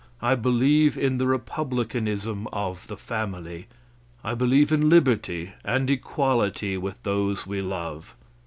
I believe in the republicanism of the family. I believe in liberty and equality with those we love.